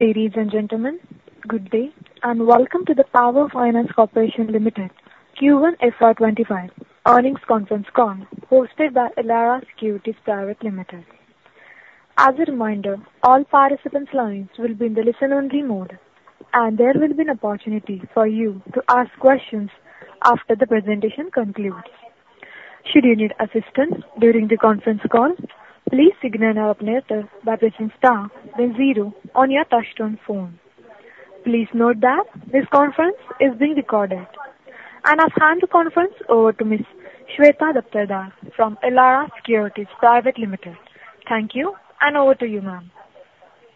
...Ladies and gentlemen, good day, and welcome to the Power Finance Corporation Limited Q1 FY 2025 Earnings Conference Call, hosted by Elara Securities Private Limited. As a reminder, all participants' lines will be in the listen-only mode, and there will be an opportunity for you to ask questions after the presentation concludes. Should you need assistance during the conference call, please signal our operator by pressing star then zero on your touchtone phone. Please note that this conference is being recorded. I'll hand the conference over to Ms. Shweta Daptardar from Elara Securities Private Limited. Thank you, and over to you, ma'am.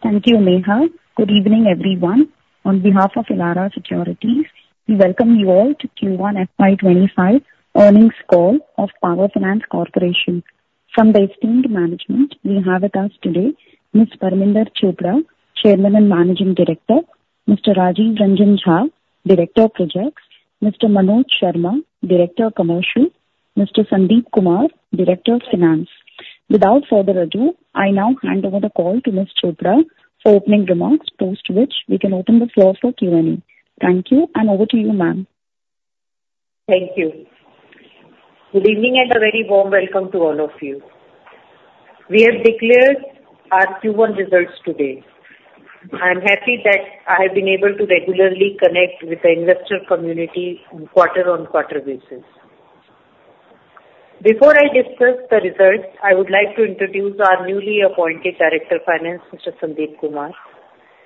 Thank you, Neha. Good evening, everyone. On behalf of Elara Securities, we welcome you all to Q1 FY 2025 earnings call of Power Finance Corporation. From the esteemed management, we have with us today Ms. Parminder Chopra, Chairman and Managing Director, Mr. Rajiv Ranjan Jha, Director of Projects, Mr. Manoj Sharma, Director of Commercial, Mr. Sandeep Kumar, Director of Finance. Without further ado, I now hand over the call to Ms. Chopra for opening remarks, post which we can open the floor for Q&A. Thank you, and over to you, ma'am. Thank you. Good evening, and a very warm welcome to all of you. We have declared our Q1 results today. I am happy that I have been able to regularly connect with the investor community on quarter-on-quarter basis. Before I discuss the results, I would like to introduce our newly appointed Director of Finance, Mr. Sandeep Kumar.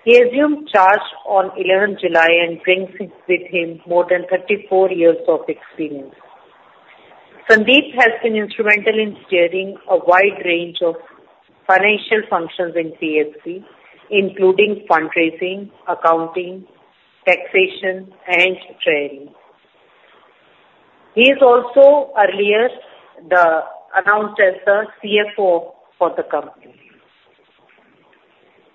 He assumed charge on 11th July and brings with him more than 34 years of experience. Sandeep has been instrumental in steering a wide range of financial functions in PFC, including fundraising, accounting, taxation, and treasury. He is also earlier the, announced as the CFO for the company.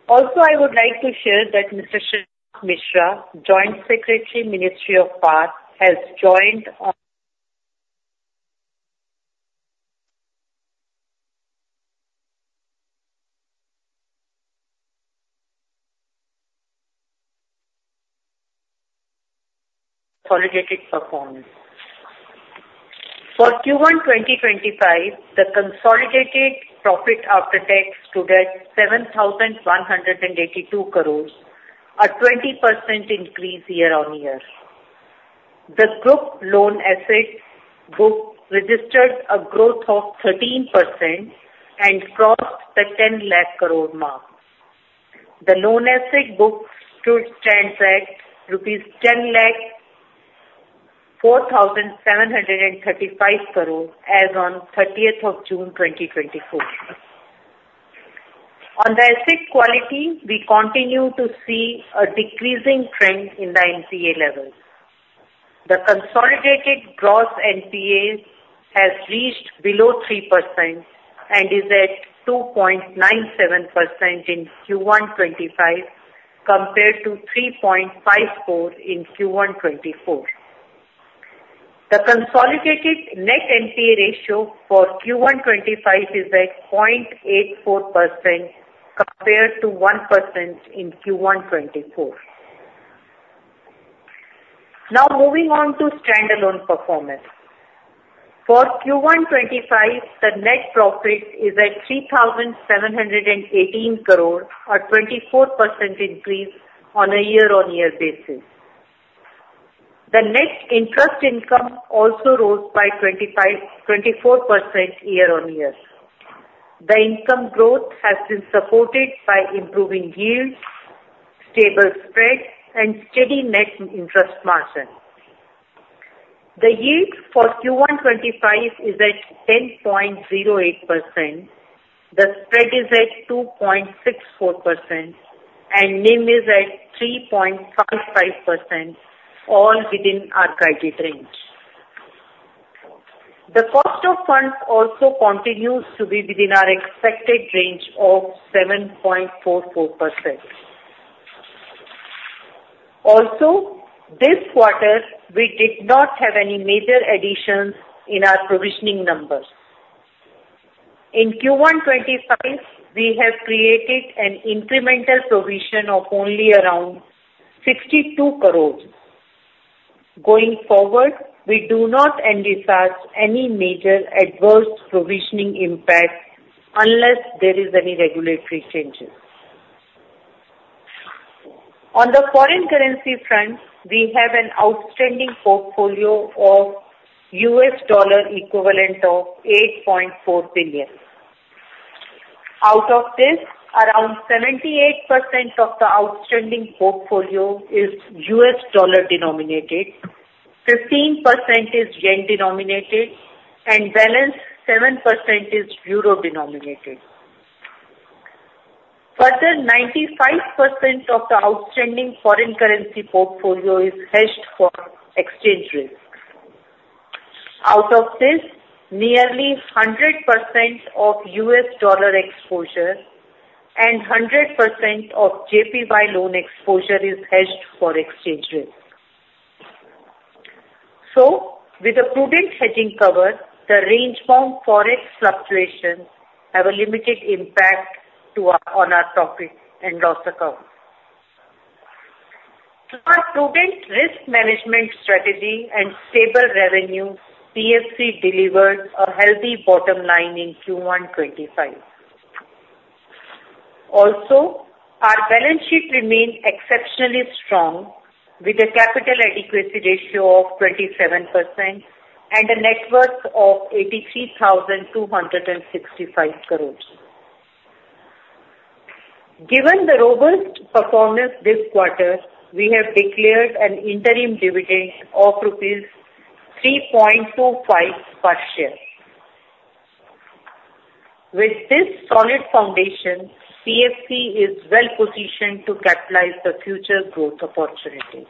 Also, I would like to share that Mr. Shashank Misra, Joint Secretary, Ministry of Power, has joined our Consolidated performance. For Q1 2025, the consolidated profit after tax stood at 7,182 crore, a 20% increase year-on-year. The group loan asset book registered a growth of 13% and crossed the 10,00,000 crore mark. The loan asset book stands at 10,04,735 crore as on 30th of June, 2024. On the asset quality, we continue to see a decreasing trend in the NPA levels. The consolidated gross NPAs has reached below 3% and is at 2.97% in Q1 2025, compared to 3.54% in Q1 2024. The consolidated net NPA ratio for Q1 2025 is at 0.84%, compared to 1% in Q1 2024. Now, moving on to standalone performance. For Q1 2025, the net profit is at 3,718 crore, a 24% increase on a year-on-year basis. The net interest income also rose by 25.24% year-on-year. The income growth has been supported by improving yields, stable spreads, and steady net interest margin. The yield for Q1 2025 is at 10.08%, the spread is at 2.64%, and NIM is at 3.55%, all within our guided range. The cost of funds also continues to be within our expected range of 7.44%. Also, this quarter, we did not have any major additions in our provisioning numbers. In Q1 2025, we have created an incremental provision of only around 62 crore. Going forward, we do not anticipate any major adverse provisioning impact unless there is any regulatory changes. On the foreign currency front, we have an outstanding portfolio of U.S. dollar equivalent of $8.4 billion. Out of this, around 78% of the outstanding portfolio is U.S. dollar denominated, 15% is yen denominated, and balance 7% is euro denominated. Further, 95% of the outstanding foreign currency portfolio is hedged for exchange risk. Out of this, nearly 100% of U.S. dollar exposure and 100% of JPY loan exposure is hedged for exchange risk....So with a prudent hedging cover, the range from forex fluctuations have a limited impact to our, on our profit and loss account. Through our prudent risk management strategy and stable revenue, PFC delivered a healthy bottom line in Q1 2025. Also, our balance sheet remains exceptionally strong, with a Capital Adequacy Ratio of 27% and a net worth of 83,265 crore. Given the robust performance this quarter, we have declared an interim dividend of rupees 3.25 per share. With this solid foundation, PFC is well positioned to capitalize the future growth opportunities.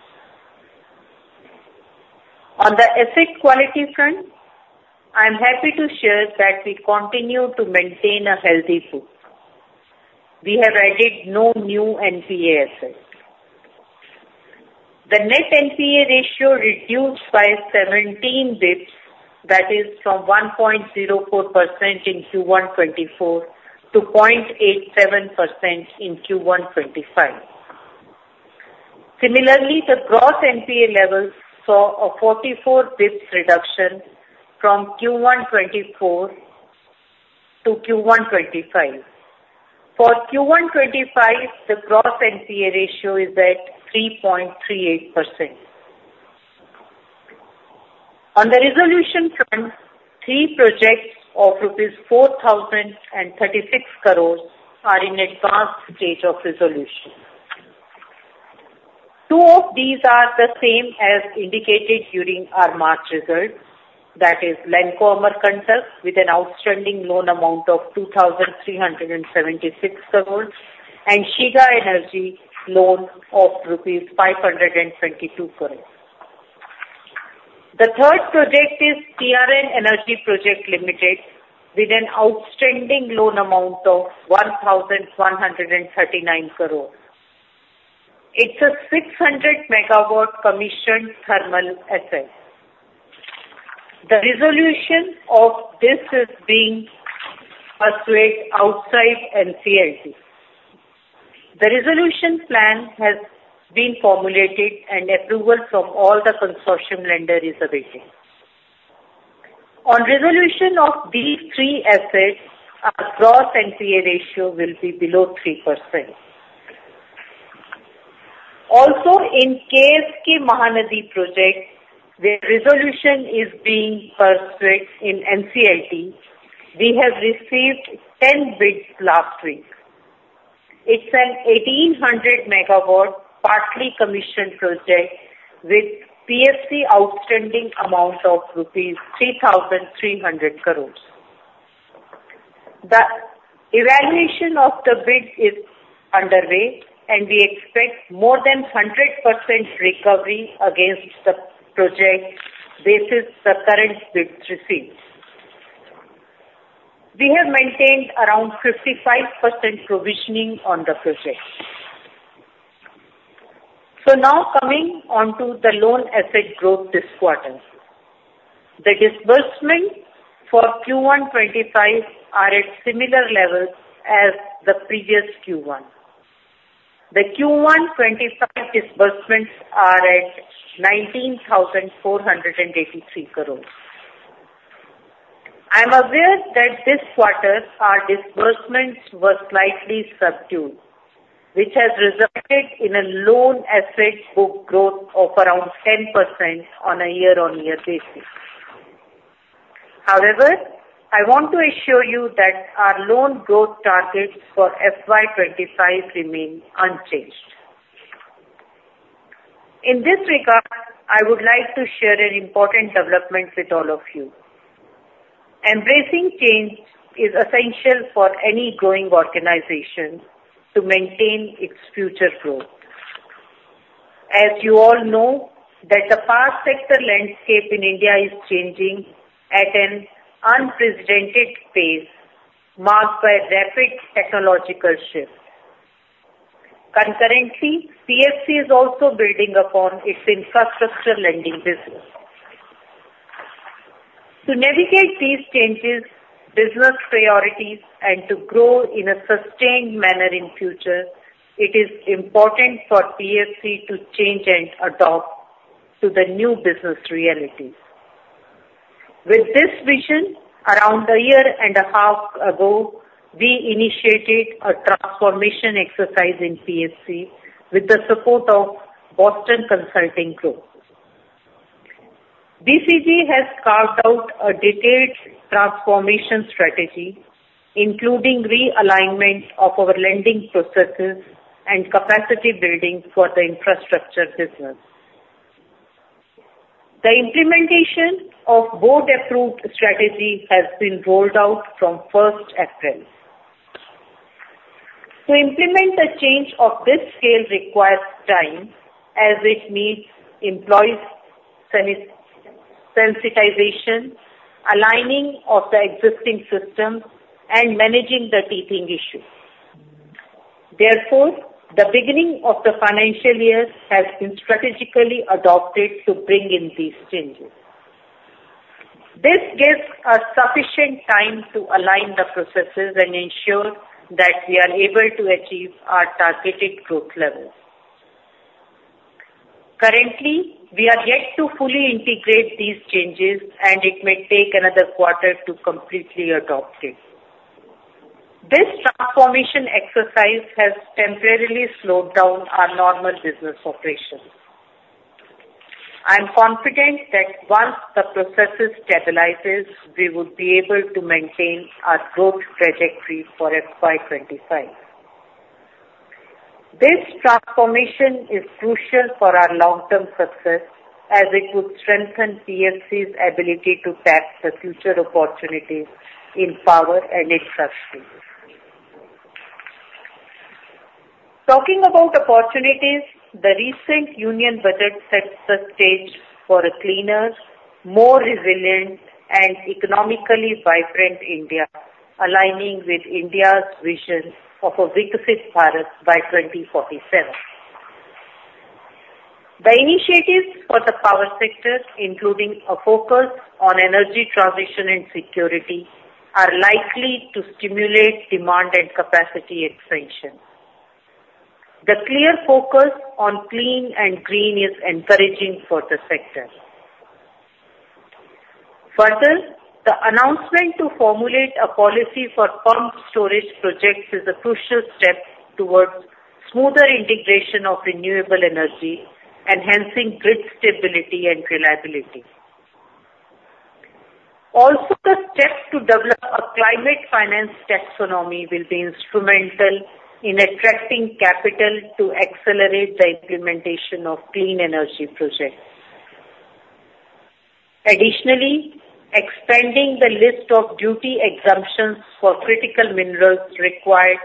On the asset quality front, I'm happy to share that we continue to maintain a healthy book. We have added no new NPA assets. The net NPA ratio reduced by 17 basis points, that is from 1.04% in Q1 2024 to 0.87% in Q1 2025. Similarly, the gross NPA levels saw a 44 basis points reduction from Q1 2024 to Q1 2025. For Q1 2025, the gross NPA ratio is at 3.38%. On the resolution front, three projects of 4,036 crore rupees are in advanced state of resolution. Two of these are the same as indicated during our March results, that is Lanco Amarkantak, with an outstanding loan amount of 2,376 crore, and Shiga Energy loan of rupees 522 crore. The third project is TRN Energy Private Limited, with an outstanding loan amount of 1,139 crore. It's a 600 MW commissioned thermal asset. The resolution of this is being pursued outside NCLT. The resolution plan has been formulated, and approval from all the consortium lender is awaiting. On resolution of these three assets, our gross NPA ratio will be below 3%. Also, in KSK Mahanadi project, where resolution is being pursued in NCLT, we have received 10 bids last week. It's an 1,800 MW partly commissioned project with PFC outstanding amount of rupees 3,300 crore. The evaluation of the bid is underway, and we expect more than 100% recovery against the project, basis the current bids received. We have maintained around 55% provisioning on the project. So now coming onto the loan asset growth this quarter. The disbursement for Q1 2025 are at similar levels as the previous Q1. The Q1 2025 disbursements are at 19,483 crore. I'm aware that this quarter, our disbursements were slightly subdued, which has resulted in a loan asset book growth of around 10% on a year-on-year basis. However, I want to assure you that our loan growth targets for FY 2025 remain unchanged. In this regard, I would like to share an important development with all of you. Embracing change is essential for any growing organization to maintain its future growth. As you all know, that the power sector landscape in India is changing at an unprecedented pace, marked by rapid technological shifts. Concurrently, PFC is also building upon its infrastructure lending business. To navigate these changes, business priorities and to grow in a sustained manner in future, it is important for PFC to change and adapt to the new business realities. With this vision, around a year and a half ago, we initiated a transformation exercise in PFC with the support of Boston Consulting Group. BCG has carved out a detailed transformation strategy, including realignment of our lending processes and capacity building for the infrastructure business. The implementation of board-approved strategy has been rolled out from first April. To implement a change of this scale requires time, as it needs employees' sensitization, aligning of the existing systems, and managing the teething issues... Therefore, the beginning of the financial year has been strategically adopted to bring in these changes. This gives us sufficient time to align the processes and ensure that we are able to achieve our targeted growth levels. Currently, we are yet to fully integrate these changes, and it may take another quarter to completely adopt it. This transformation exercise has temporarily slowed down our normal business operations. I am confident that once the processes stabilizes, we will be able to maintain our growth trajectory for FY 2025. This transformation is crucial for our long-term success, as it would strengthen PFC's ability to tap the future opportunities in power and infrastructure. Talking about opportunities, the recent union budget sets the stage for a cleaner, more resilient and economically vibrant India, aligning with India's vision of a Viksit Bharat by 2047. The initiatives for the power sector, including a focus on energy transition and security, are likely to stimulate demand and capacity expansion. The clear focus on clean and green is encouraging for the sector. Further, the announcement to formulate a policy for pumped storage projects is a crucial step towards smoother integration of renewable energy, enhancing grid stability and reliability. Also, the step to develop a climate finance taxonomy will be instrumental in attracting capital to accelerate the implementation of clean energy projects. Additionally, expanding the list of duty exemptions for critical minerals required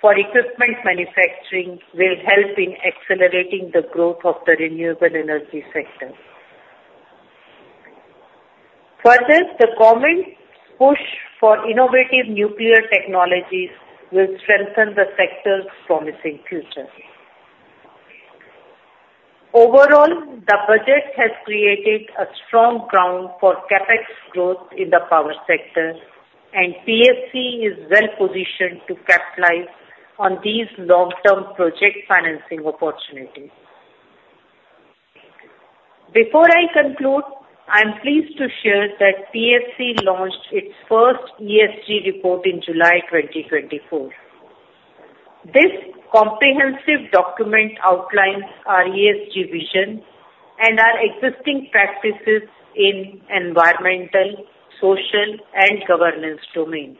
for equipment manufacturing will help in accelerating the growth of the renewable energy sector. Further, the government's push for innovative nuclear technologies will strengthen the sector's promising future. Overall, the budget has created a strong ground for CapEx growth in the power sector, and PFC is well positioned to capitalize on these long-term project financing opportunities. Before I conclude, I'm pleased to share that PFC launched its first ESG report in July 2024. This comprehensive document outlines our ESG vision and our existing practices in environmental, social, and governance domains.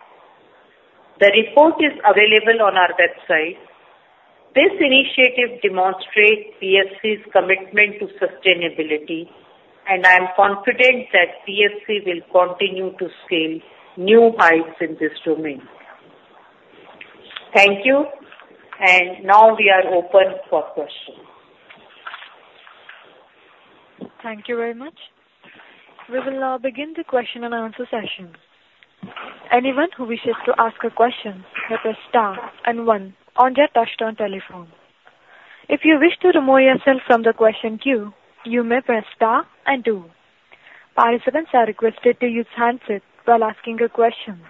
The report is available on our website. This initiative demonstrates PFC's commitment to sustainability, and I am confident that PFC will continue to scale new heights in this domain. Thank you, and now we are open for questions. Thank you very much. We will now begin the question and answer session. Anyone who wishes to ask a question, press star and one on their touchtone telephone. If you wish to remove yourself from the question queue, you may press star and two. Participants are requested to use handsets while asking a question.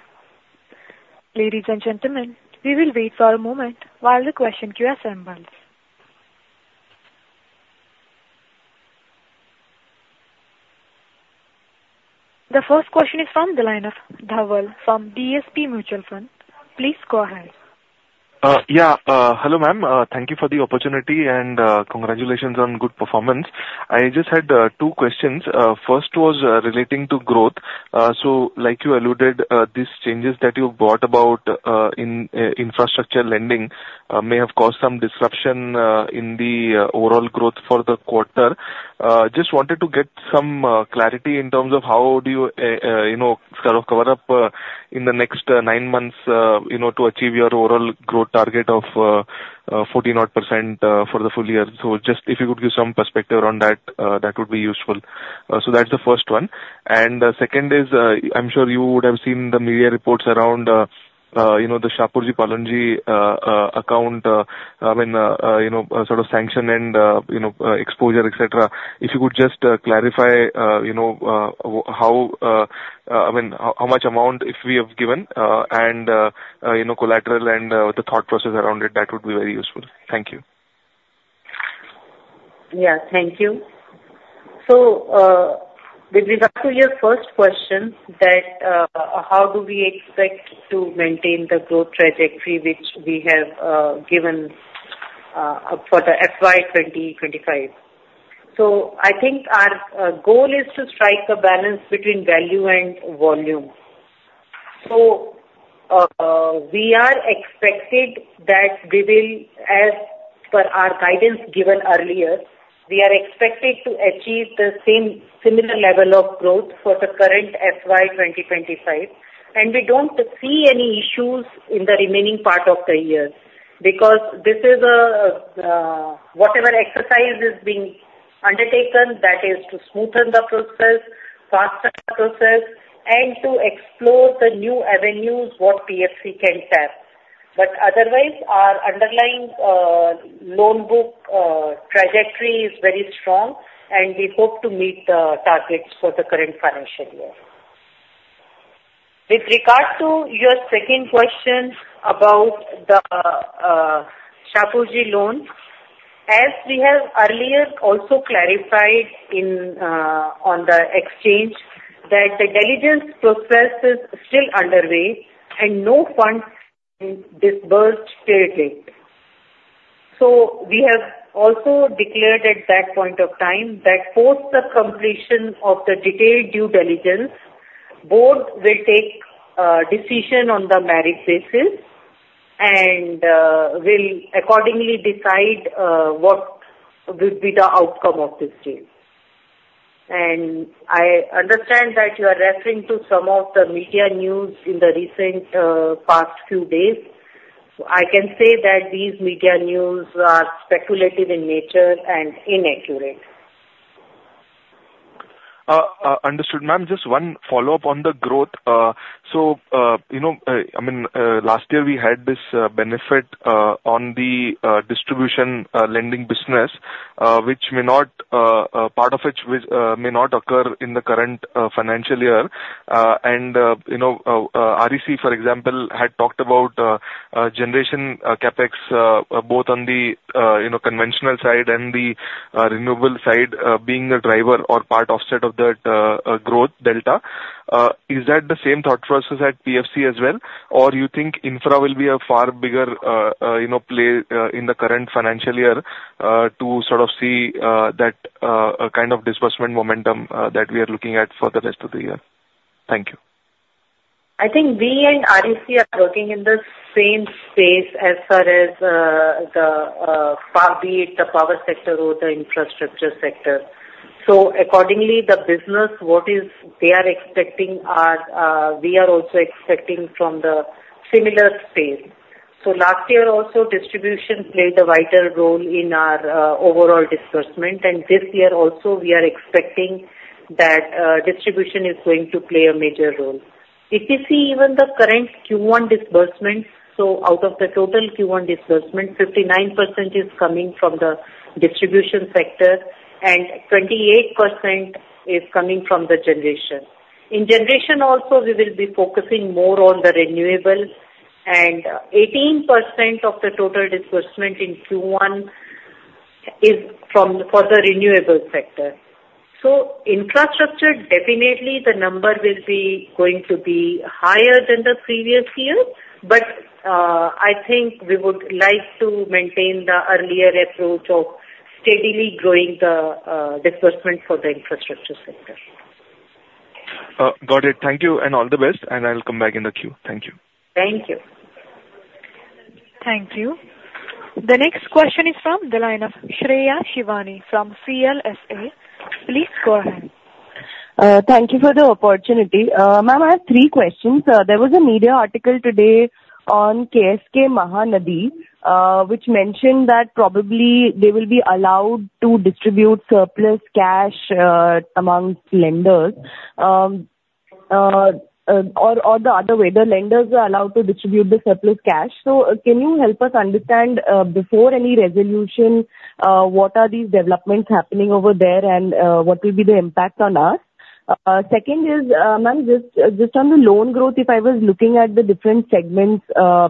Ladies and gentlemen, we will wait for a moment while the question queue assembles. The first question is from the line of Dhaval from DSP Mutual Fund. Please go ahead. Yeah, hello, ma'am. Thank you for the opportunity and, congratulations on good performance. I just had two questions. First was relating to growth. So like you alluded, these changes that you brought about in infrastructure lending may have caused some disruption in the overall growth for the quarter. Just wanted to get some clarity in terms of how do you, you know, sort of cover up in the next nine months, you know, to achieve your overall growth target of 41% for the full year. So just if you could give some perspective on that, that would be useful. So that's the first one. The second is, I'm sure you would have seen the media reports around, you know, the Shapoorji Pallonji, account, I mean, you know, sort of sanction and, you know, exposure, et cetera. If you could just, clarify, you know, how, I mean, how much amount if we have given, and, you know, collateral and, the thought process around it, that would be very useful. Thank you. Yeah, thank you. So, with regard to your first question, that, how do we expect to maintain the growth trajectory which we have given for the FY 2025? So I think our goal is to strike a balance between value and volume. So, we are expected that we will, as per our guidance given earlier, we are expected to achieve the same similar level of growth for the current FY 2025, and we don't see any issues in the remaining part of the year, because this is a whatever exercise is being undertaken, that is to smoothen the process, faster process and to explore the new avenues what PFC can tap. But otherwise, our underlying loan book trajectory is very strong, and we hope to meet the targets for the current financial year. With regard to your second question about the Shapoorji loan, as we have earlier also clarified on the exchange, that the diligence process is still underway and no funds disbursed to it yet. So we have also declared at that point of time that post the completion of the detailed due diligence, Board will take a decision on the merit basis and will accordingly decide what will be the outcome of this deal. And I understand that you are referring to some of the media news in the recent past few days. I can say that these media news are speculative in nature and inaccurate. Understood. Ma'am, just one follow-up on the growth. So, you know, I mean, last year we had this benefit on the distribution lending business, which may not, part of which may not occur in the current financial year. And, you know, REC, for example, had talked about generation CapEx, both on the, you know, conventional side and the renewable side, being a driver or part offset of that growth delta. Is that the same thought process at PFC as well? Or you think infra will be a far bigger, you know, play, in the current financial year, to sort of see, that, kind of disbursement momentum, that we are looking at for the rest of the year? Thank you. I think we and REC are working in the same space as far as, the, be it the power sector or the infrastructure sector. So accordingly, the business, what is they are expecting are, we are also expecting from the similar space. So last year also, distribution played a vital role in our, overall disbursement, and this year also we are expecting that, distribution is going to play a major role. If you see even the current Q1 disbursements, so out of the total Q1 disbursement, 59% is coming from the distribution sector, and 28% is coming from the generation. In generation also, we will be focusing more on the renewables, and 18% of the total disbursement in Q1 is from for the renewables sector. So infrastructure, definitely the number will be going to be higher than the previous year, but, I think we would like to maintain the earlier approach of steadily growing the disbursement for the infrastructure sector. Got it. Thank you, and all the best, and I'll come back in the queue. Thank you. Thank you. Thank you. The next question is from the line of Shreya Shivani from CLSA. Please go ahead. Thank you for the opportunity. Ma'am, I have three questions. There was a media article today on KSK Mahanadi, which mentioned that probably they will be allowed to distribute surplus cash among lenders. Or the other way, the lenders are allowed to distribute the surplus cash. So can you help us understand, before any resolution, what are these developments happening over there, and what will be the impact on us? Second is, ma'am, just on the loan growth, if I was looking at the different segments,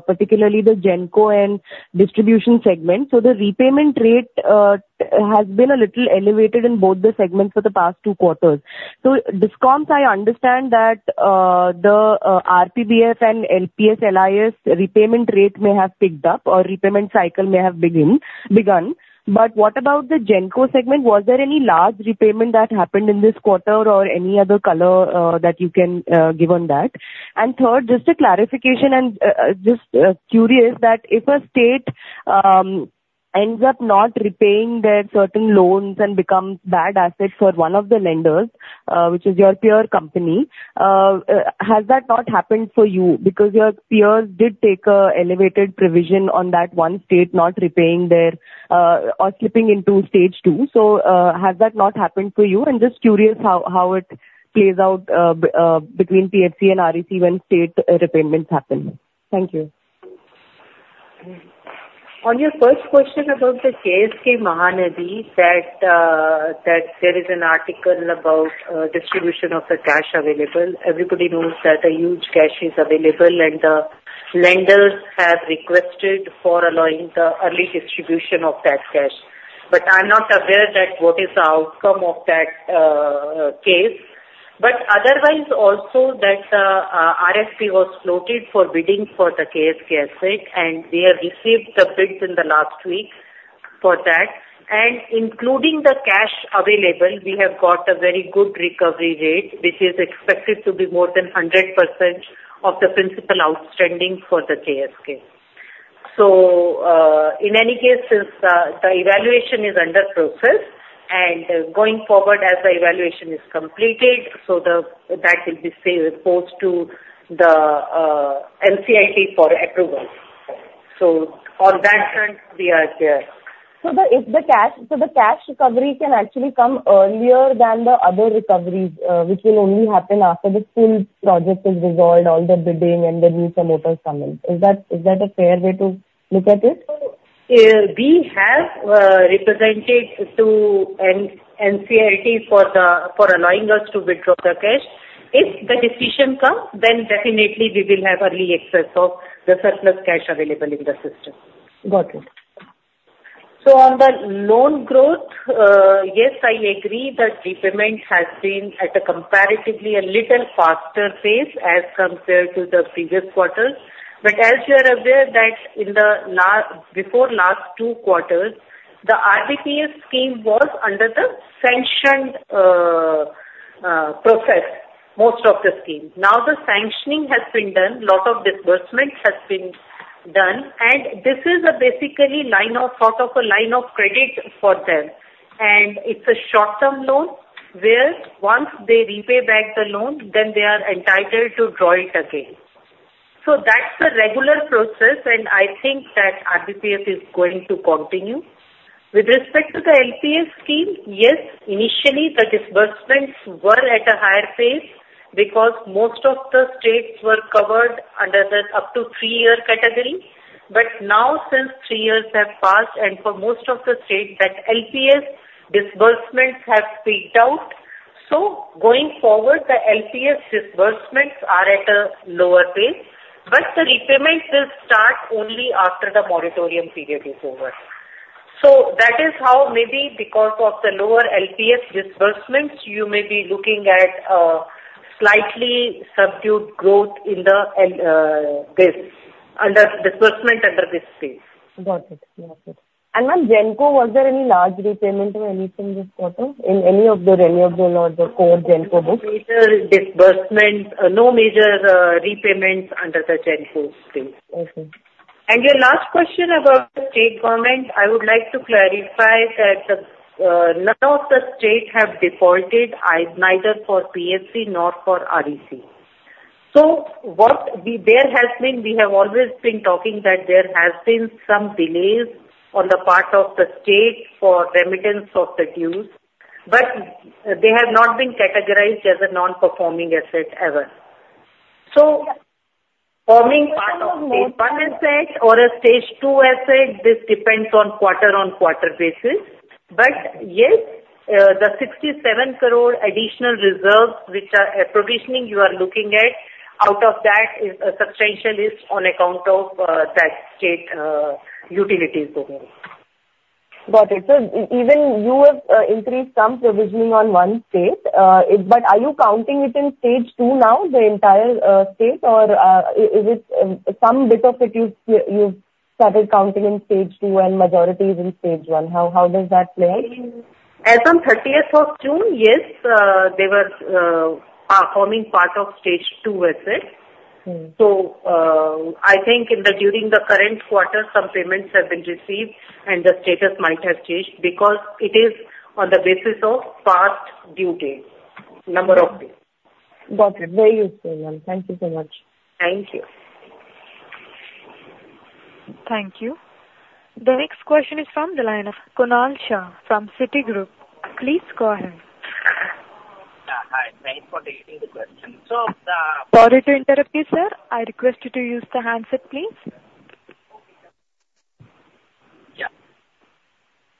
particularly the Genco and distribution segment, so the repayment rate has been a little elevated in both the segments for the past two quarters. Discoms, I understand that the RBPF and LPS, LIS repayment rate may have picked up or repayment cycle may have begun. But what about the Genco segment? Was there any large repayment that happened in this quarter or any other color that you can give on that? And third, just a clarification and just curious that if a state ends up not repaying their certain loans and becomes bad asset for one of the lenders, which is your peer company, has that not happened for you? Because your peers did take an elevated provision on that one state not repaying their or slipping into stage two. So, has that not happened for you? And just curious how it plays out between PFC and REC when state repayments happen. Thank you. On your first question about the KSK Mahanadi, that, that there is an article about, distribution of the cash available. Everybody knows that a huge cash is available, and the lenders have requested for allowing the early distribution of that cash. But I'm not aware that what is the outcome of that, case. But otherwise, also that, RFP was floated for bidding for the KSK asset, and we have received the bids in the last week for that. And including the cash available, we have got a very good recovery rate, which is expected to be more than 100% of the principal outstanding for the KSK. So, in any case, since the, the evaluation is under process, and going forward as the evaluation is completed, so that will be still reported to the, NCLT for approval. On that front, we are clear. So, if the cash recovery can actually come earlier than the other recoveries, which will only happen after the full project is resolved, all the bidding and the new promoters come in. Is that a fair way to look at it? We have represented to an NCLT for allowing us to withdraw the cash. If the decision comes, then definitely we will have early access of the surplus cash available in the system. Got it. So on the loan growth, yes, I agree that repayment has been at a comparatively a little faster pace as compared to the previous quarter. But as you are aware that in the last, before last two quarters, the RBPF scheme was under the sanctioned process, most of the scheme. Now the sanctioning has been done, lot of disbursements has been done, and this is a basically line of, sort of a line of credit for them. And it's a short-term loan, where once they repay back the loan, then they are entitled to draw it again. So that's the regular process, and I think that RBPF is going to continue. With respect to the LPS scheme, yes, initially the disbursements were at a higher pace because most of the states were covered under the up to three-year category. But now, since three years have passed, and for most of the states that LPS disbursements have peaked out. So going forward, the LPS disbursements are at a lower pace, but the repayments will start only after the moratorium period is over. So that is how, maybe because of the lower LPS disbursements, you may be looking at a slightly subdued growth in the disbursement under this scheme. Got it. Got it. And ma'am, Genco, was there any large repayment or anything this quarter in any of the, any of the core Genco books? No major disbursement, no major repayments under the Genco scheme. Okay. And your last question about the state government, I would like to clarify that the none of the states have defaulted, neither for PFC nor for REC. There has been, we have always been talking that there has been some delays on the part of the state for remittance of the dues, but they have not been categorized as a non-performing asset ever. So forming part of stage one asset or a stage two asset, this depends on quarter on quarter basis. But yes, the 67 crore additional reserves which are a provisioning you are looking at, out of that is a substantial is on account of that state utilities over. Got it. So even you have increased some provisioning on one state. But are you counting it in stage two now, the entire state? Or is it some bit of it you've started counting in stage two and majority is in stage one? How does that play out? As on 30th of June, yes, they were, are forming part of Stage two asset. Mm. I think, during the current quarter, some payments have been received, and the status might have changed because it is on the basis of past due date, number of days. Got it. Very useful, ma'am. Thank you so much. Thank you. Thank you. The next question is from the line of Kunal Shah from Citigroup. Please go ahead. Hi. Thanks for taking the question. So the- Sorry to interrupt you, sir. I request you to use the handset, please. Yeah.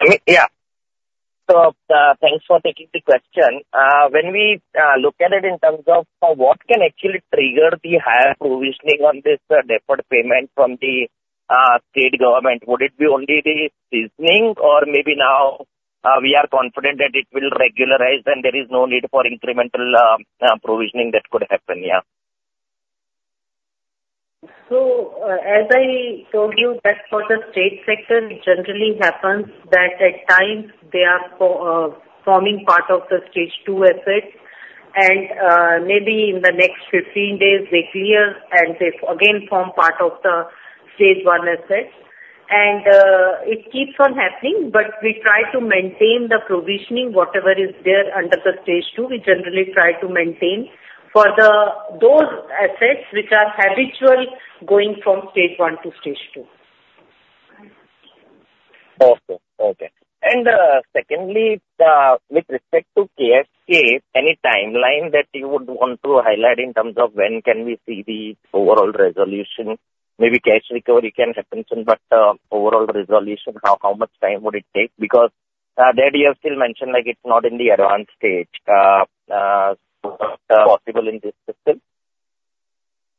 I mean, yeah. So, thanks for taking the question. When we look at it in terms of what can actually trigger the higher provisioning on this deferred payment from the state government, would it be only the seasoning, or maybe now we are confident that it will regularize and there is no need for incremental provisioning that could happen, yeah? So, as I told you, that for the state sector, it generally happens that at times they are forming part of the Stage two asset, and maybe in the next 15 days, they clear and they again form part of the Stage one asset. And it keeps on happening, but we try to maintain the provisioning. Whatever is there under the Stage two, we generally try to maintain for those assets which are habitual going from Stage one to Stage two. Okay, okay. And, secondly, with respect to KSK, any timeline that you would want to highlight in terms of when can we see the overall resolution? Maybe cash recovery can happen soon, but, overall resolution, how, how much time would it take? Because, there you have still mentioned, like, it's not in the advanced stage, so what, possible in this system?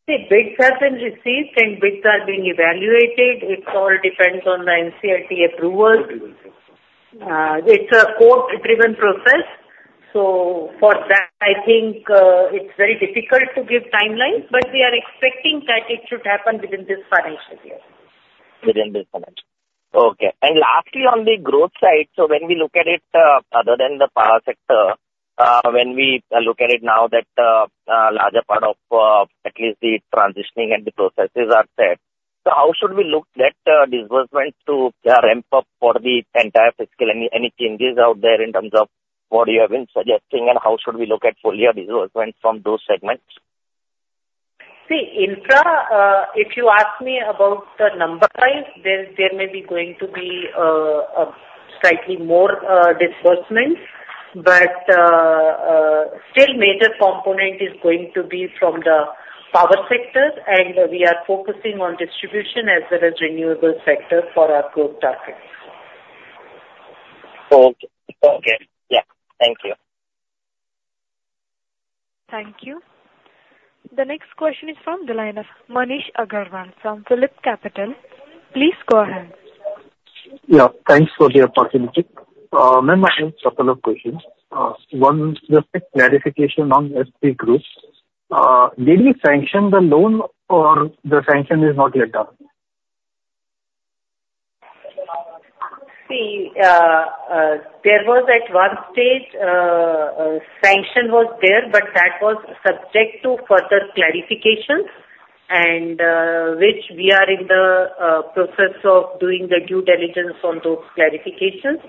The bids have been received, and bids are being evaluated. It all depends on the NCLT approvals. It's a court-driven process, so for that, I think, it's very difficult to give timeline, but we are expecting that it should happen within this financial year. Within this financial... Okay. And lastly, on the growth side, so when we look at it, other than the power sector, when we look at it now that, a larger part of, at least the transitioning and the processes are set, so how should we look that, disbursement to, ramp up for the entire fiscal? Any, any changes out there in terms of- ... what you have been suggesting, and how should we look at full year disbursement from those segments? See, infra, if you ask me about the number size, then there may be going to be a slightly more disbursement. But, still major component is going to be from the power sectors, and we are focusing on distribution as well as renewable sector for our growth targets. Okay. Okay. Yeah. Thank you. Thank you. The next question is from the line of Manish Agarwalla from PhillipCapital. Please go ahead. Yeah, thanks for the opportunity. Ma'am, I have a couple of questions. One, just a clarification on SP Group. Did we sanction the loan or the sanction is not let out? See, there was at one stage, a sanction was there, but that was subject to further clarifications, and, which we are in the process of doing the due diligence on those clarifications.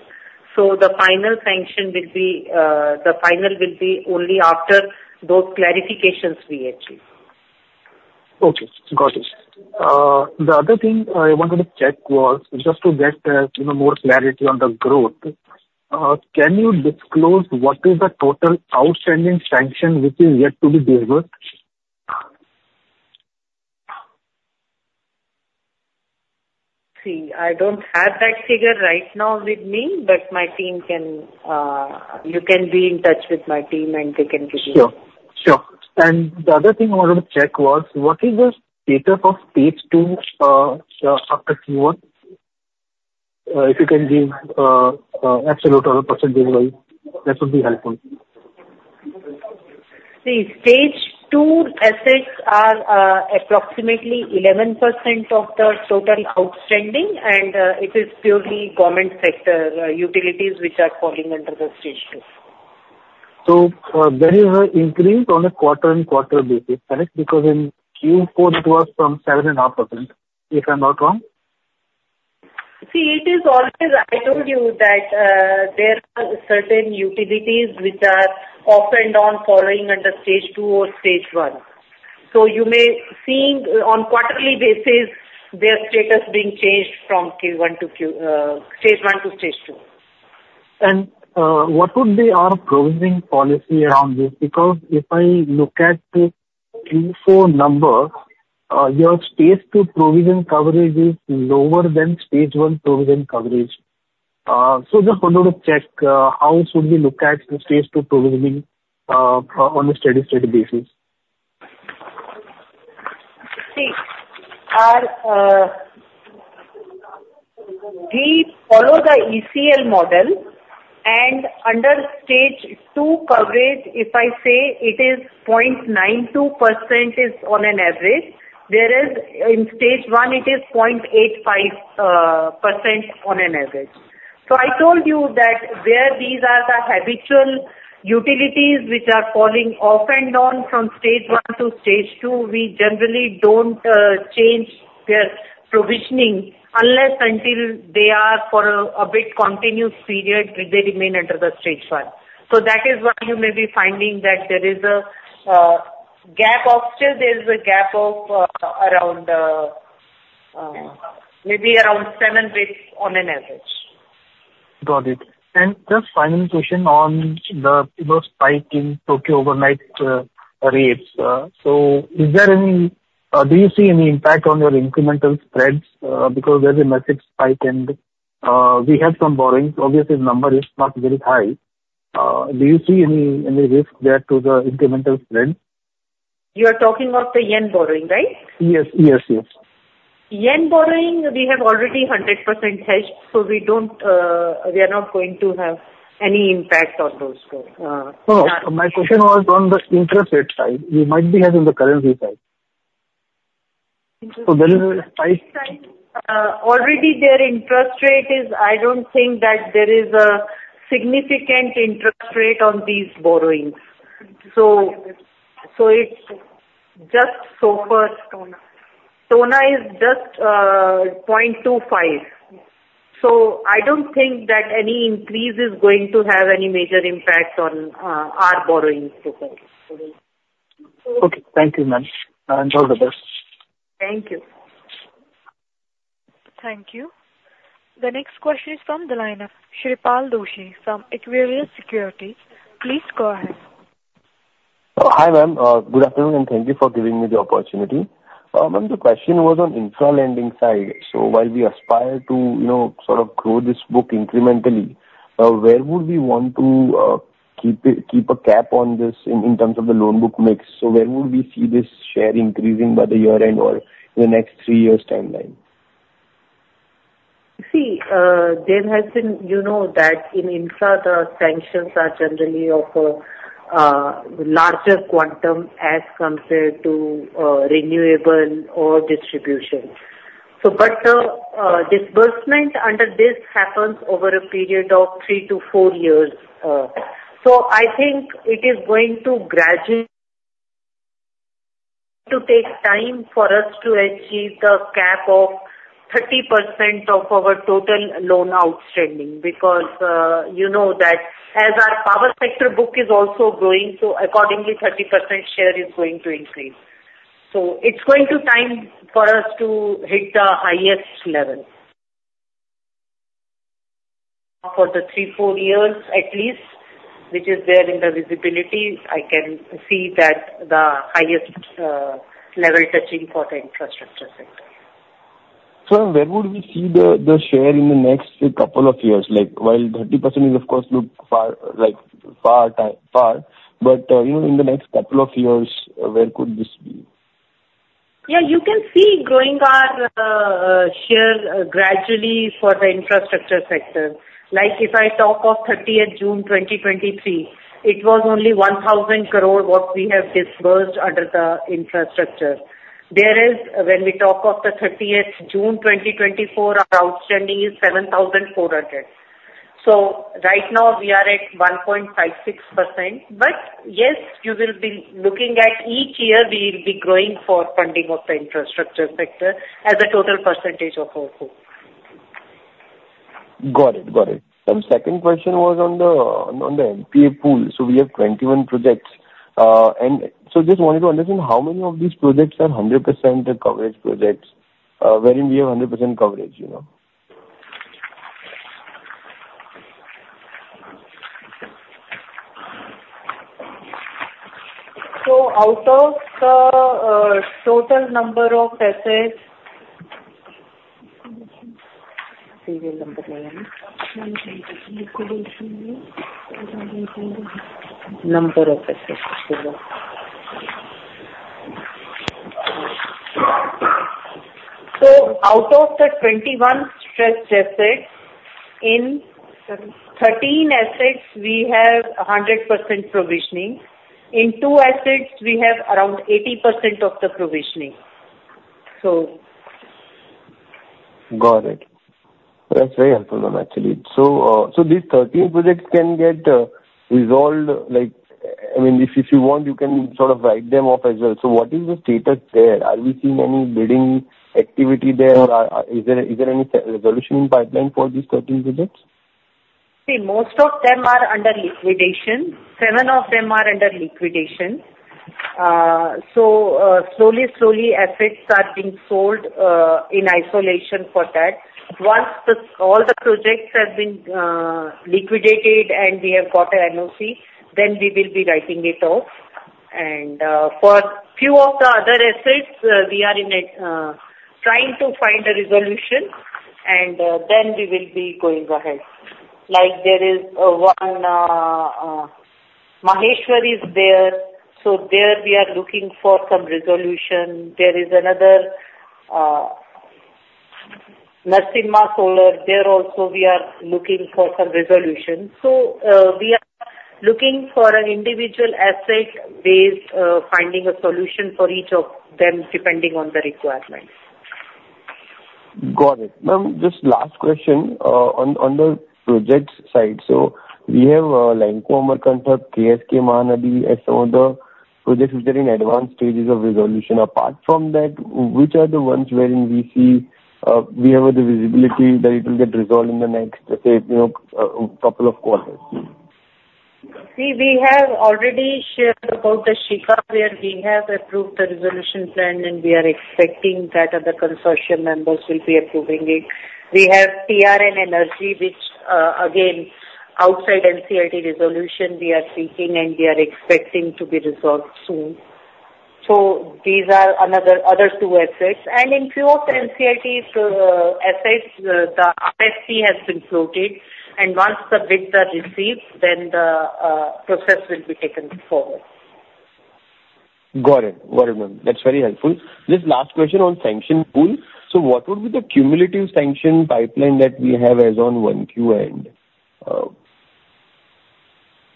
So the final sanction will be, the final will be only after those clarifications we achieve. Okay. Got it. The other thing I wanted to check was just to get, you know, more clarity on the growth. Can you disclose what is the total outstanding sanction which is yet to be delivered? See, I don't have that figure right now with me, but my team can. You can be in touch with my team, and they can give you. Sure, sure. And the other thing I wanted to check was, what is the status of Stage two after Q1? If you can give absolute or a percentage-wise, that would be helpful. The Stage two assets are approximately 11% of the total outstanding, and it is purely government sector utilities which are falling under the Stage two. There is an increase on a quarter-over-quarter basis, correct? Because in Q4, it was from 7.5%, if I'm not wrong. See, it is always I told you that, there are certain utilities which are off and on falling under Stage two or Stage one. So you may seeing on quarterly basis their status being changed from Q1 to Q, Stage one to Stage two. What would be our provisioning policy around this? Because if I look at the Q4 number, your stage two provision coverage is lower than stage one provision coverage. So just wanted to check, how should we look at the stage two provisioning, on a steady-state basis? See, we follow the ECL model, and under stage two coverage, if I say it is 0.92% on an average, whereas in stage one it is 0.85%, on an average. So I told you that where these are the habitual utilities which are falling off and on from stage one to stage two, we generally don't change their provisioning unless until they are for a bit continuous period, they remain under the stage one. So that is what you may be finding that there is a gap of... Still there is a gap of around, maybe around seven basis on an average. Got it. Just final question on the, you know, spike in Tokyo overnight rates. So is there any... Do you see any impact on your incremental spreads? Because there's a massive spike and, we have some borrowings. Obviously, the number is not very high. Do you see any risk there to the incremental spread? You are talking about the yen borrowing, right? Yes. Yes, yes. Yen borrowing, we have already 100% hedged, so we don't, we are not going to have any impact on those loans. No, my question was on the interest rate side. We might be having the currency side. So there is a spike- Already their interest rate is. I don't think that there is a significant interest rate on these borrowings. So, it's just so far- TONA. TONA is just 0.25. So I don't think that any increase is going to have any major impact on our borrowings to come. Okay. Thank you, ma'am, and all the best. Thank you. Thank you. The next question is from the line of Shreepal Doshi from Equirus Securities. Please go ahead. Hi, ma'am. Good afternoon, and thank you for giving me the opportunity. Ma'am, the question was on infra lending side. So while we aspire to, you know, sort of grow this book incrementally, where would we want to keep it, keep a cap on this in, in terms of the loan book mix? So where would we see this share increasing by the year-end or in the next three years timeline? See, there has been, you know that in infra, the sanctions are generally of a larger quantum as compared to renewable or distribution. So but, disbursement under this happens over a period of three to four years. So I think it is going to gradually to take time for us to achieve the cap of 30% of our total loan outstanding, because, you know that as our power sector book is also growing, so accordingly, 30% share is going to increase. So it's going to time for us to hit the highest level. For the three to four years at least, which is there in the visibility, I can see that the highest level touching for the infrastructure sector. So where would we see the share in the next couple of years? Like, while 30% is of course look far, like, far time, far, but, you know, in the next couple of years, where could this be? Yeah, you can see growing our share gradually for the infrastructure sector. Like, if I talk of 30th June 2023, it was only 1,000 crore what we have disbursed under the infrastructure. There is, when we talk of 30th June 2024, our outstanding is 7,400 crore. So right now we are at 1.56%. But yes, you will be looking at each year we will be growing for funding of the infrastructure sector as a total percentage of our whole. Got it. Got it. Second question was on the, on the NPA pool. So we have 21 projects. And so just wanted to understand how many of these projects are 100% coverage projects, wherein we have 100% coverage, you know? So out of the 21 stressed assets, in 13 assets we have 100% provisioning. In two assets, we have around 80% of the provisioning. So- Got it. That's very helpful, ma'am, actually. So, so these 13 projects can get, resolved, like, I mean, if, if you want, you can sort of write them off as well. So what is the status there? Are we seeing any bidding activity there or are, is there, is there any resolution in pipeline for these 13 projects? See, most of them are under liquidation. seven of them are under liquidation. So, slowly, slowly, assets are being sold in isolation for that. Once all the projects have been liquidated and we have got an NOC, then we will be writing it off. And, for few of the other assets, we are trying to find a resolution, and then we will be going ahead. Like, there is one, Maheshwar is there, so there we are looking for some resolution. There is another, Narsimha Solar, there also we are looking for some resolution. So, we are looking for an individual asset base, finding a solution for each of them, depending on the requirements. Got it. Ma'am, just last question, on the projects side. So we have, Lanco Amarkantak, KSK Mahanadi, and some other projects which are in advanced stages of resolution. Apart from that, which are the ones wherein we see, we have the visibility that it will get resolved in the next, let's say, you know, couple of quarters? See, we have already shared about the Shiga, where we have approved the resolution plan, and we are expecting that other consortium members will be approving it. We have TRN Energy, which, again, outside NCLT resolution we are seeking, and we are expecting to be resolved soon. So these are another, other two assets. And in few of the NCLT's, assets, the RFP has been floated, and once the bids are received, then the, process will be taken forward. Got it. Got it, ma'am. That's very helpful. Just last question on sanction pool. So what would be the cumulative sanction pipeline that we have as on 1Q end?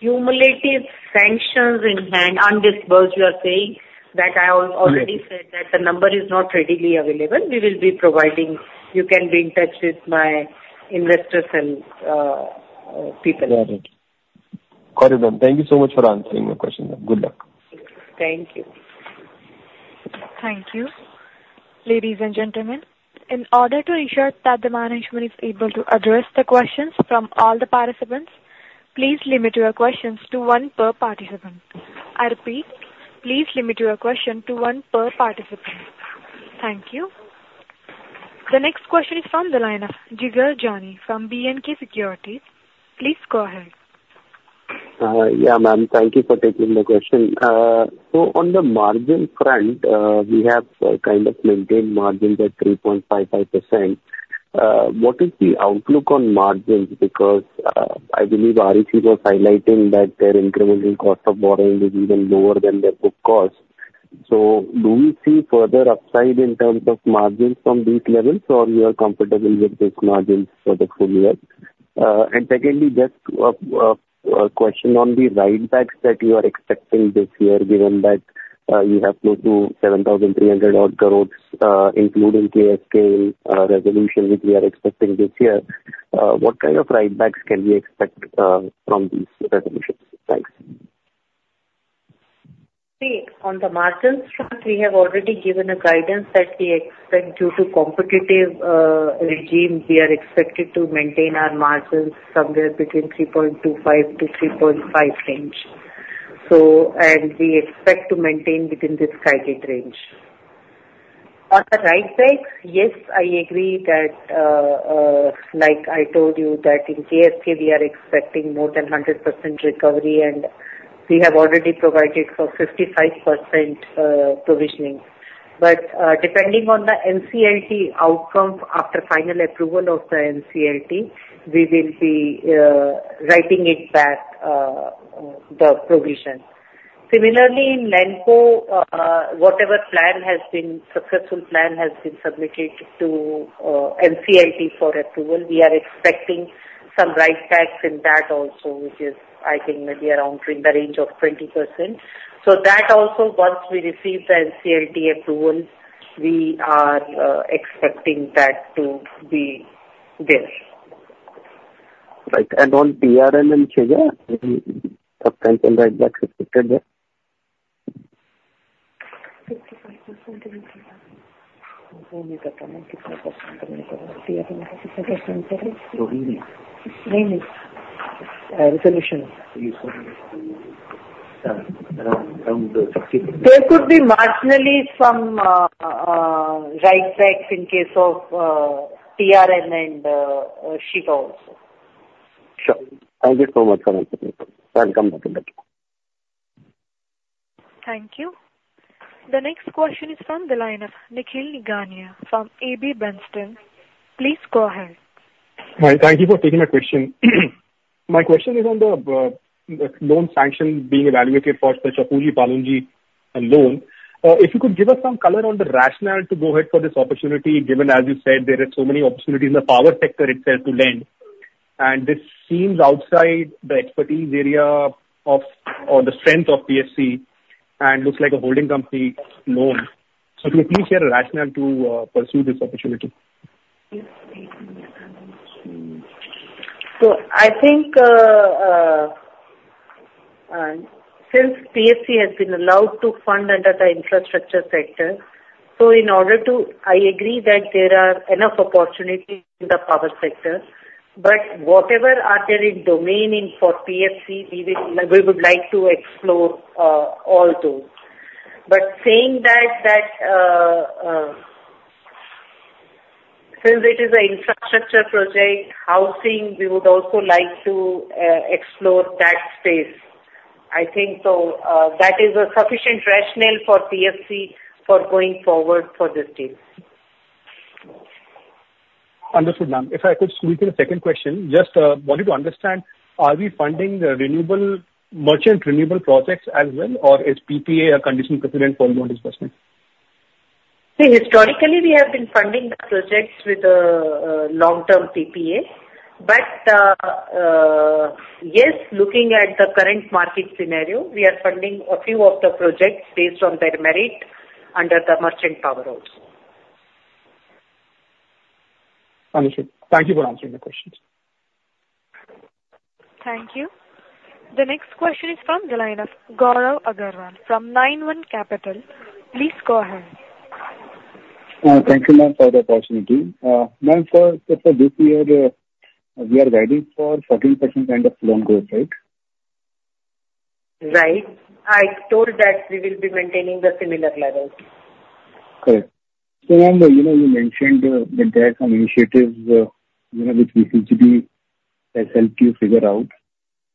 Cumulative sanctions in hand undisbursed, you are saying? That I al- Mm-hmm. -already said that the number is not readily available. We will be providing... You can be in touch with my investors and, people. Got it. Got it, ma'am. Thank you so much for answering my questions. Good luck. Thank you. Thank you. Ladies and gentlemen, in order to ensure that the management is able to address the questions from all the participants, please limit your questions to one per participant. I repeat, please limit your question to one per participant. Thank you. The next question is from the line of Jigar Jani from B&K Securities. Please go ahead. Yeah, ma'am. Thank you for taking the question. So on the margin front, we have kind of maintained margins at 3.55%. What is the outlook on margins? Because I believe REC was highlighting that their incremental cost of borrowing is even lower than their book cost. So do we see further upside in terms of margins from these levels, or you are comfortable with these margins for the full year? And secondly, just a question on the write backs that you are expecting this year, given that you have close to 7,300 crore, including KSK resolution, which we are expecting this year, what kind of write backs can we expect from these resolutions? Thanks. ... See, on the margins front, we have already given a guidance that we expect due to competitive regime, we are expected to maintain our margins somewhere between 3.25-3.5 range. So, and we expect to maintain within this guided range. On the write backs, yes, I agree that, like I told you, that in KSK we are expecting more than 100% recovery, and we have already provided for 55% provisioning. But, depending on the NCLT outcome after final approval of the NCLT, we will be writing it back the provision. Similarly, in Lanco, whatever successful plan has been submitted to NCLT for approval. We are expecting some write backs in that also, which is, I think, maybe around in the range of 20%. So that also, once we receive the NCLT approval, we are expecting that to be there. Right. On TRN and Shiga, some time some write back is expected there? Fifty-five percent. There could be marginally some write-backs in case of TRN and Shiga also. Sure. Thank you so much, Madam. Welcome back. Thank you. The next question is from the line of Nikhil Nigania from AB Bernstein. Please go ahead. Hi. Thank you for taking my question. My question is on the, the loan sanction being evaluated for the Shapoorji Pallonji loan. If you could give us some color on the rationale to go ahead for this opportunity, given, as you said, there are so many opportunities in the power sector itself to lend. And this seems outside the expertise area of or the strength of PFC and looks like a holding company loan. So could you please share a rationale to pursue this opportunity? So I think, since PFC has been allowed to fund under the infrastructure sector, so in order to... I agree that there are enough opportunities in the power sector, but whatever are there in domain in for PFC, we will, we would like to explore, all those. But saying that, that, since it is a infrastructure project, housing, we would also like to, explore that space. I think so, that is a sufficient rationale for PFC for going forward for this deal. Understood, ma'am. If I could switch to the second question, just wanted to understand, are we funding the renewable-merchant renewable projects as well, or is PPA a condition precedent for loan disbursement? See, historically, we have been funding the projects with long-term PPA. But, yes, looking at the current market scenario, we are funding a few of the projects based on their merit under the merchant power also. Understood. Thank you for answering the questions. Thank you. The next question is from the line of Gaurav Agrawal from Nine One Capital. Please go ahead. Thank you, ma'am, for the opportunity. Ma'am, for this year, we are guiding for 14% kind of loan growth, right? Right. I told that we will be maintaining the similar levels. Correct. So, ma'am, you know, you mentioned that there are some initiatives, you know, which BCG has helped you figure out.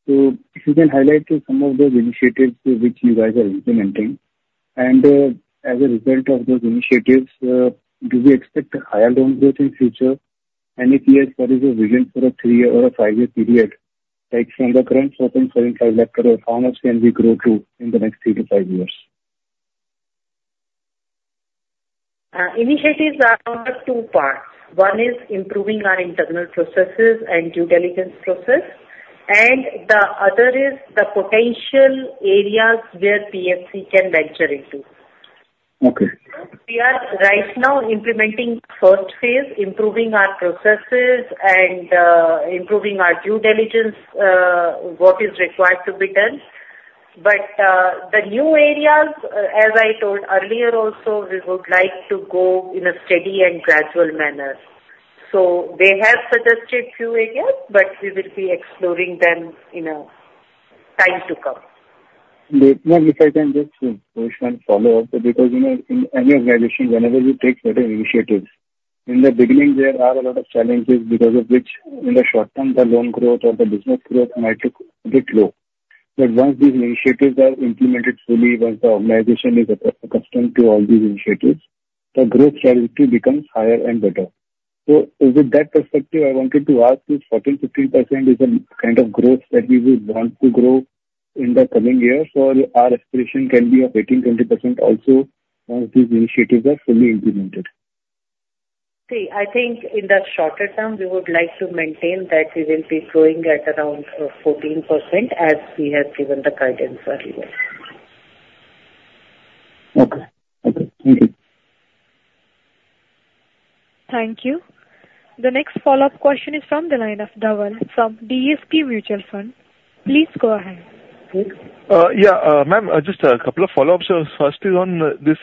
So if you can highlight some of those initiatives which you guys are implementing, and, as a result of those initiatives, do we expect a higher loan growth in future? And if yes, what is the vision for a three-year or a five-year period, like from the current INR 14,145 lakh or how much can we grow to in the next three to five years? Initiatives are on two parts. One is improving our internal processes and due diligence process, and the other is the potential areas where PFC can venture into. Okay. We are right now implementing first phase, improving our processes and, improving our due diligence, what is required to be done. But, the new areas, as I told earlier also, we would like to go in a steady and gradual manner. So they have suggested few areas, but we will be exploring them in a time to come. Ma'am, if I can just, just one follow-up, because, you know, in any organization, whenever you take certain initiatives, in the beginning, there are a lot of challenges because of which in the short term, the loan growth or the business growth might look a bit low. But once these initiatives are implemented fully, once the organization is accustomed to all these initiatives, the growth strategy becomes higher and better. So with that perspective, I wanted to ask if 14%-15% is the kind of growth that we would want to grow in the coming years, or our aspiration can be of 18%-20% also, once these initiatives are fully implemented. See, I think in the shorter term, we would like to maintain that we will be growing at around 14%, as we have given the guidance earlier. Okay. Okay, thank you.... Thank you. The next follow-up question is from the line of Dhaval from DSP Mutual Fund. Please go ahead. Yeah, ma'am, just a couple of follow-ups. First is on this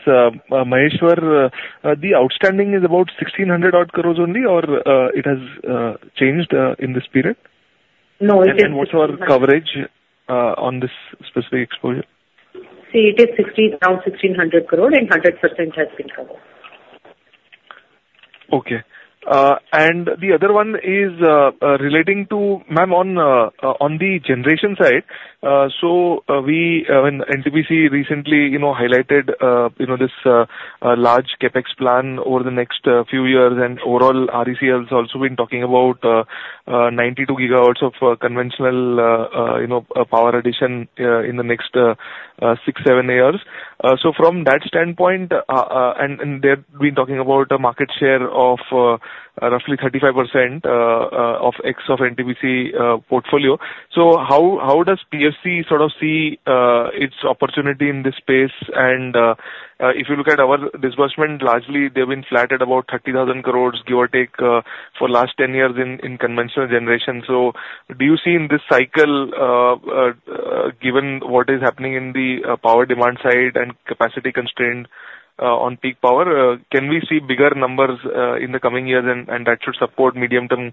Maheshwar. The outstanding is about 1,600-odd crore only, or it has changed in this period? No, it is- What's our coverage on this specific exposure? See, it is 16, now 1,600 crore, and 100% has been covered. Okay. And the other one is relating to Mahanadi on the generation side. So when NTPC recently, you know, highlighted, you know, this large CapEx plan over the next few years, and overall, REC's also been talking about 92 GW of conventional, you know, power addition in the next six to seven years. So from that standpoint, and they've been talking about a market share of roughly 35%, say, of NTPC portfolio. So how does PFC sort of see its opportunity in this space? And if you look at our disbursement, largely they've been flat at about 30,000 crore, give or take, for last 10 years in conventional generation. So do you see in this cycle, given what is happening in the power demand side and capacity constraint on peak power, can we see bigger numbers in the coming years, and that should support medium-term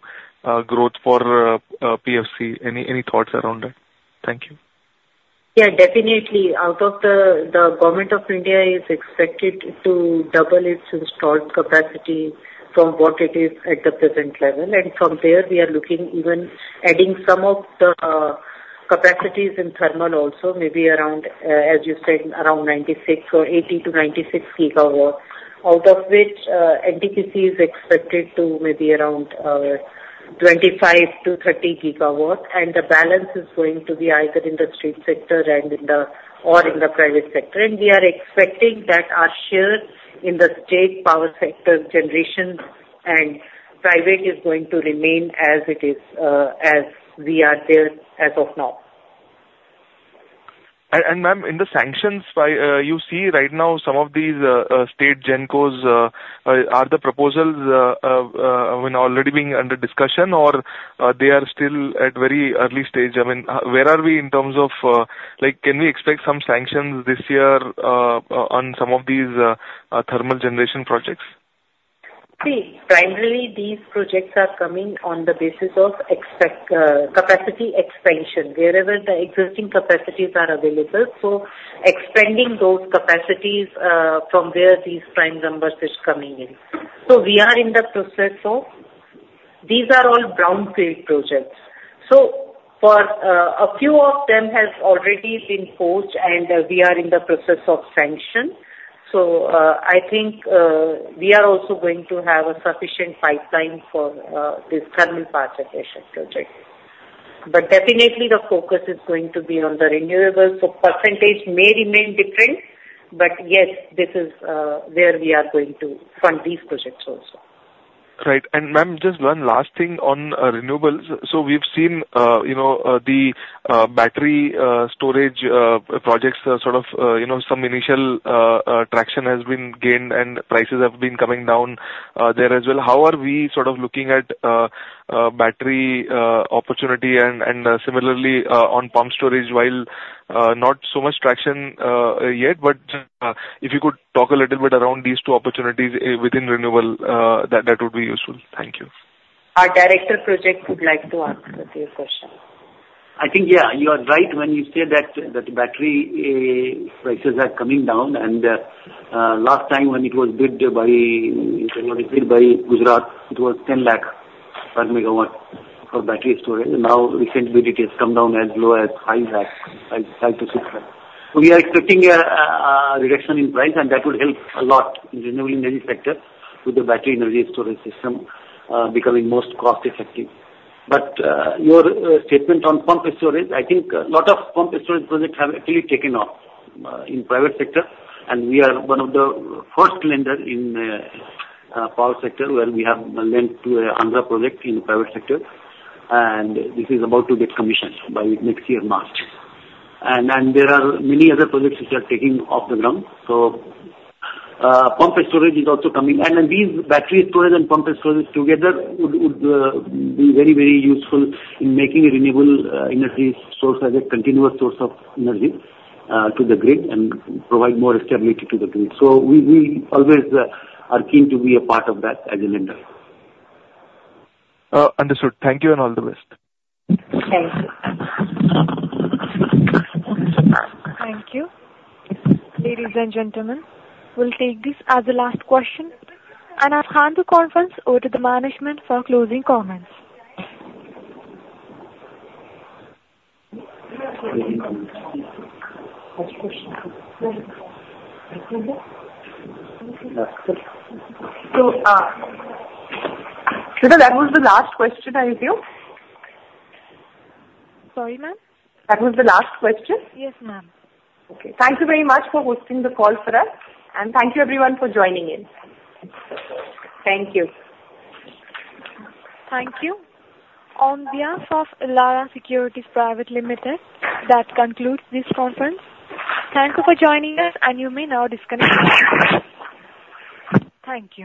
growth for PFC? Any thoughts around that? Thank you. Yeah, definitely. Out of the, the Government of India is expected to double its installed capacity from what it is at the present level. And from there, we are looking even adding some of the, capacities in thermal also, maybe around, as you said, around 96 GW or 80 GW-96 GW. Out of which, NTPC is expected to may be around, 25 GW-30 GW, and the balance is going to be either in the state sector and in the... or in the private sector. And we are expecting that our share in the state power sector generation and private is going to remain as it is, as we are there as of now. Ma'am, in the sanctions by, you see right now some of these state Gencos are the proposals, I mean, already being under discussion or they are still at very early stage? I mean, where are we in terms of, like, can we expect some sanctions this year on some of these thermal generation projects? See, primarily these projects are coming on the basis of expected capacity expansion, wherever the existing capacities are available. So expanding those capacities, from where these prime numbers is coming in. So we are in the process of... These are all brownfield projects. So for a few of them has already been poised, and we are in the process of sanction. So, I think, we are also going to have a sufficient pipeline for this thermal participation project. But definitely the focus is going to be on the renewables, so percentage may remain different, but yes, this is where we are going to fund these projects also. Right. And, ma'am, just one last thing on renewables. So we've seen, you know, the battery storage projects sort of, you know, some initial traction has been gained and prices have been coming down there as well. How are we sort of looking at battery opportunity and, and, similarly, on pump storage, while not so much traction yet, but if you could talk a little bit around these two opportunities within renewable, that, that would be useful. Thank you. Our Director Projects would like to answer your question. I think, yeah, you are right when you say that, that the battery prices are coming down, and last time when it was bid by Gujarat, it was 10 lakh per MW for battery storage. Now, recently it has come down as low as 5 lakh, 5 lakh-6 lakh. We are expecting a reduction in price, and that will help a lot in renewable energy sector with the battery energy storage system becoming most cost-effective. But your statement on pump storage, I think a lot of pump storage projects have actually taken off in private sector, and we are one of the first lender in power sector, where we have lent to a Andhra project in the private sector, and this is about to get commissioned by next year, March. There are many other projects which are taking off the ground. So, pumped storage is also coming. And then these battery storage and pumped storage together would be very, very useful in making renewable energy source as a continuous source of energy to the grid and provide more stability to the grid. So we always are keen to be a part of that as a lender. Understood. Thank you, and all the best. Thank you. Thank you. Ladies and gentlemen, we'll take this as the last question, and I hand the conference over to the management for closing comments. Shreya, that was the last question, I feel. Sorry, ma'am? That was the last question? Yes, ma'am. Okay. Thank you very much for hosting the call for us, and thank you everyone for joining in. Thank you. Thank you. On behalf of Elara Securities Private Limited, that concludes this conference. Thank you for joining us, and you may now disconnect. Thank you.